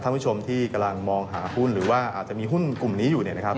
ผู้ชมที่กำลังมองหาหุ้นหรือว่าอาจจะมีหุ้นกลุ่มนี้อยู่เนี่ยนะครับ